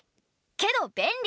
けど便利。